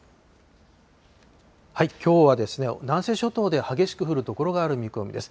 きょうは、南西諸島で激しく降る所がある見込みです。